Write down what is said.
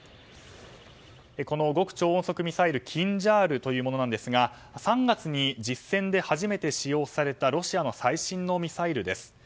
この極超音速ミサイルキンジャールというものですが３月に、実戦で初めて使用されたロシアの最新のミサイルです。